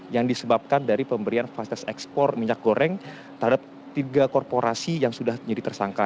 yang disebabkan dari pemberian fasilitas ekspor minyak goreng terhadap tiga korporasi yang sudah menjadi tersangka